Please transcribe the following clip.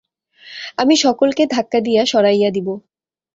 আমি সকলকে ধাক্কা দিয়া সরাইয়া দিব।